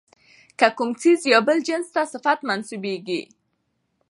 که کوم څيز ىا جنس ته بل صفت منسوبېږي،